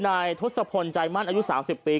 ทศพลใจมั่นอายุ๓๐ปี